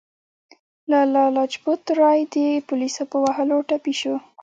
لالا لاجپت رای د پولیسو په وهلو ټپي شو.